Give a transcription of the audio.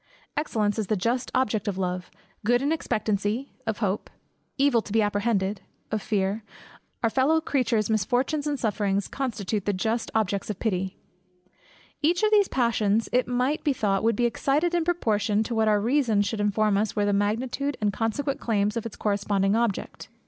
Excellence is the just object of love; good in expectancy, of hope; evil to be apprehended, of fear; our fellow creatures' misfortunes, and sufferings, constitute the just objects of pity. Each of these passions, it might be thought, would be excited, in proportion to what our reason should inform us were the magnitude and consequent claims of its corresponding object.